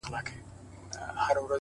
ساقي وتاته مو په ټول وجود سلام دی پيره ـ